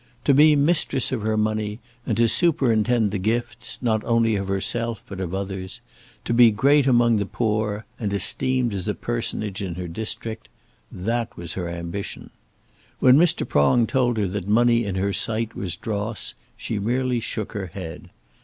To be mistress of her money, and to superintend the gifts, not only of herself but of others; to be great among the poor, and esteemed as a personage in her district, that was her ambition. When Mr. Prong told her that money in her sight was dross, she merely shook her head.